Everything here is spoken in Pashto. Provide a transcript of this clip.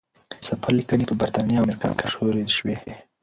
د سفر لیکنې په بریتانیا او امریکا کې مشهورې شوې.